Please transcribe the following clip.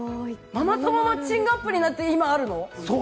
ママ友マッチングアプリなんて、今あるの？